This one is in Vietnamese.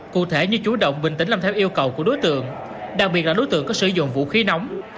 cụ thể như chủ động bình tĩnh làm theo yêu cầu của đối tượng đặc biệt là đối tượng có sử dụng vũ khí nóng